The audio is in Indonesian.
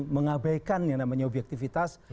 mengabaikan yang namanya objektifitas